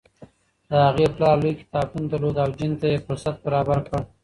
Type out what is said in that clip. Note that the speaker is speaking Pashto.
د هغې پلار لوی کتابتون درلود او جین ته یې فرصت برابر کړ.